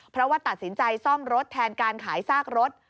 เพราะว่าตัดสินใจซ่อมรถแทนการขายซากรถ